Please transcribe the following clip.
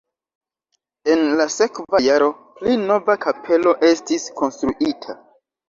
En la sekva jaro pli nova kapelo estis konstruita.